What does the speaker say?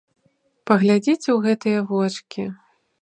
Паглядзіце ў гэтыя вочкі!